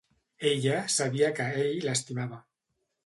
Ella sabia que ell l'estimava.